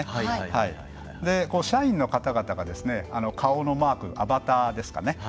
社員の方々が顔のマークアバターですかね。